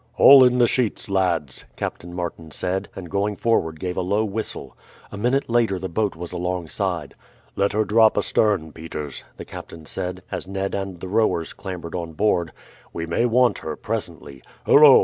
"Haul in the sheets, lads," Captain Martin said, and going forward gave a low whistle. A minute later the boat was alongside. "Let her drop astern, Peters," the captain said, as Ned and the rowers clambered on board; "we may want her presently. Hullo!